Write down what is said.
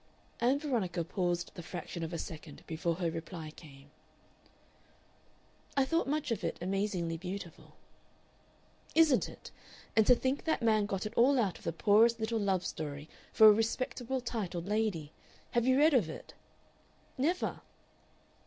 Ann Veronica paused the fraction of a second before her reply came. "I thought much of it amazingly beautiful." "Isn't it. And to think that man got it all out of the poorest little love story for a respectable titled lady! Have you read of it?" "Never."